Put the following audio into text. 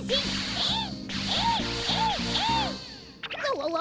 えい！